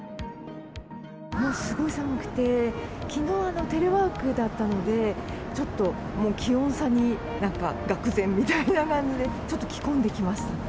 もうすごい寒くて、きのう、テレワークだったので、ちょっともう、気温差になんか、がく然みたいな感じで、ちょっと着込んできました。